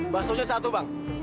basuhnya satu bang